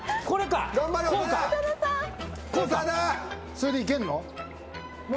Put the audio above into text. それでいけんの？